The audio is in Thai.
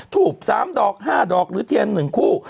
ทูบ๓ดอก๕ดอกหรือเทียน๑คู่